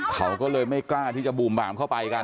เขาก็เลยไม่กล้าที่จะบูมบามเข้าไปกัน